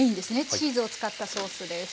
チーズを使ったソースです。